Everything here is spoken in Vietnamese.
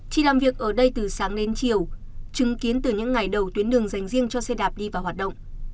chỉ làm việc ở đây từ sáng đến chiều chứng kiến từ những ngày đầu tuyến đường dành riêng cho xe đạp đi và hoạt động